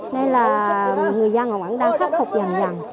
nên là người dân ở ngoài đang khắc phục dần dần